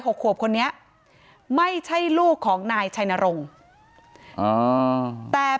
ทั้งครูก็มีค่าแรงรวมกันเดือนละประมาณ๗๐๐๐กว่าบาท